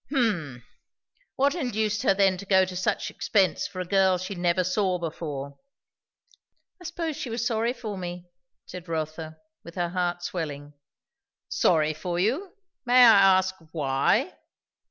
"H'm! What induced her then to go to such expense for a girl she never saw before?" "I suppose she was sorry for me," said Rotha, with her heart swelling. "Sorry for you! May I ask, why?"